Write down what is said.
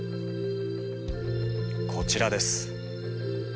こちらです。